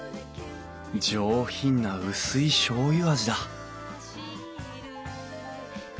上品な薄いしょうゆ味だ